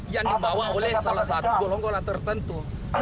yang dibawa oleh salah satu golonggola tertentu